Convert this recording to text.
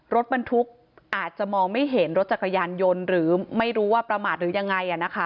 รถบรรทุกอาจจะมองไม่เห็นรถจักรยานยนต์หรือไม่รู้ว่าประมาทหรือยังไง